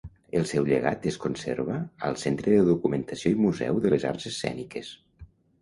El seu llegat es conserva al Centre de Documentació i Museu de les Arts Escèniques.